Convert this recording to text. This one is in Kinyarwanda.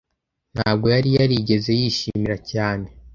Ntabwo yari yarigeze yishimira cyane.